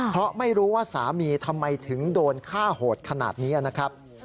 เพราะไม่รู้ว่าสามีทำไมถึงโดนฆ่าโหดขนาดนี้นะครับ